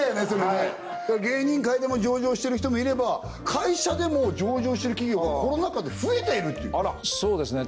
はい芸人界でも上場してる人もいれば会社でも上場してる企業がコロナ禍で増えているっていうそうですね